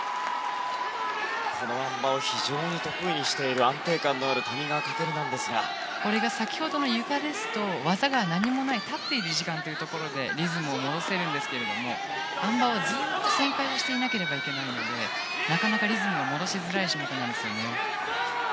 あん馬を非常に得意にしている、安定感のある先ほどの、ゆかですと技が何もない立っている時間というところでリズムを戻せるんですけどもあん馬はずっと旋回していなければいけないのでなかなかリズムを戻しづらい種目なんですよね。